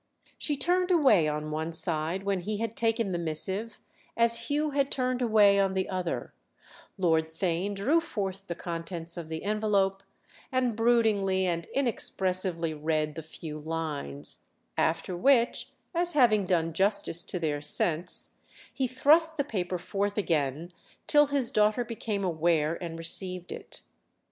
She turned away on one side when he had taken the missive, as Hugh had turned away on the other; Lord Theign drew forth the contents of the envelope and broodingly and inexpressively read the few lines; after which, as having done justice to their sense, he thrust the paper forth again till his daughter became aware and received it.